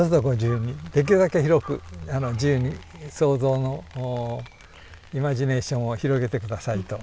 できるだけ広く自由に想像のイマジネーションを広げて下さいと。